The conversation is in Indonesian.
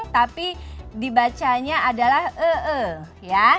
tapi dibacanya adalah ya